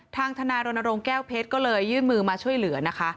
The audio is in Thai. ทนายรณรงค์แก้วเพชรก็เลยยื่นมือมาช่วยเหลือนะคะ